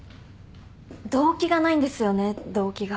動機がないんですよね動機が。